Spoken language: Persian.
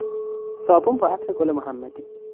صابون با عطر گل محمدی